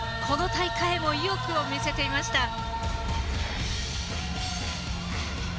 この大会にも意欲を見せていました。